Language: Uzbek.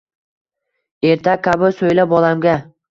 Ertak kabi so’yla bolamga